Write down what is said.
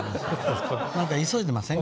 何か急いでません？